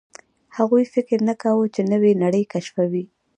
هغوی فکر نه کاوه، چې نوې نړۍ کشفوي.